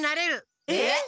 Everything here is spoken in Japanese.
えっ？